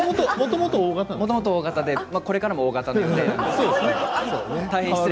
もともとＯ型でこれからもＯ型の予定です。